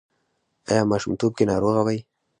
ایا ماشومتوب کې ناروغه وئ؟